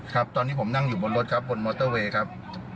ครับตอนนี้ผมนั่งอยู่บนรถครับบนมอเตอร์เวย์ครับ